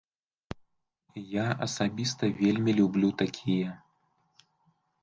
Я асабіста вельмі люблю такія.